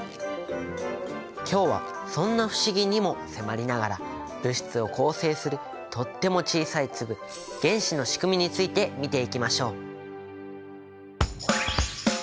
今日はそんな不思議にも迫りながら物質を構成するとっても小さい粒原子のしくみについて見ていきましょう。